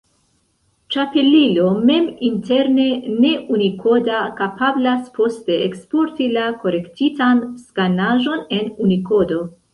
Ĉapelilo, mem interne ne-unikoda, kapablas poste eksporti la korektitan skanaĵon en Unikodo.